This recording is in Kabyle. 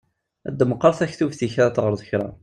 Ddem meqqaṛ taktubt-ik ad teɣṛeḍ kra!